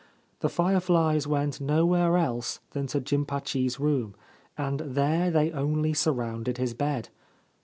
The fireflies went nowhere else than to Jimpachi's room, and there they only surrounded his bed.